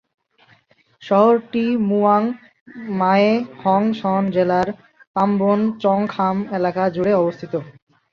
শহরটি মুয়াং মায়ে হং সন জেলার "তাম্বন" চং খাম এলাকা জুড়ে অবস্থিত।